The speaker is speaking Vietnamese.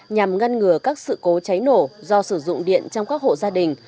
nhằm ngăn ngừa các sự cố cháy nổ do sử dụng điện trong các hộ gia đình